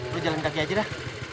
kita jalanin kaki aja dah